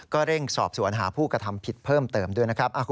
เร่งสอบสวนหาผู้กระทำผิดเพิ่มเติมด้วยนะครับ